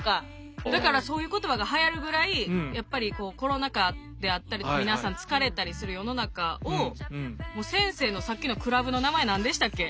だからそういう言葉がはやるぐらいやっぱりこうコロナ禍であったりとか皆さん疲れたりする世の中をもう先生のさっきのクラブの名前何でしたっけ？